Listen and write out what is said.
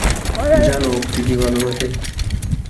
জানো অক্টি কী ভালোবাসে?